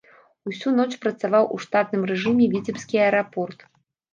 Усю ноч працаваў у штатным рэжыме віцебскі аэрапорт.